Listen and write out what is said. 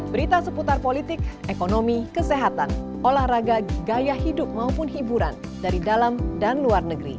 berita seputar politik ekonomi kesehatan olahraga gaya hidup maupun hiburan dari dalam dan luar negeri